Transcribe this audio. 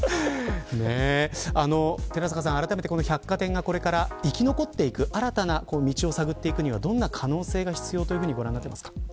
寺坂さん、あらためて百貨店がこれから生き残っていく新たな道を探っていくにはどのような可能性が必要ですか。